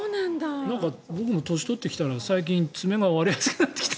僕も年を取ってきたら最近、爪が割れやすくなった。